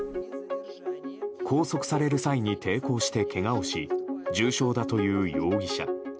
拘束される際に抵抗してけがをし重傷だという容疑者。